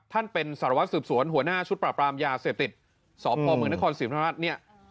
ท่านเป็นสารวัสด์สืบสวนหัวหน้าชุดปราบปรามยาเสพติดสพมนศิริพรรภัฐเนี้ย